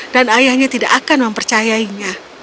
dan ayahnya tidak akan mempercayainya